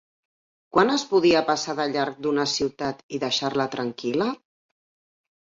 Quan es podia passar de llarg d'una ciutat i deixar-la tranquil·la?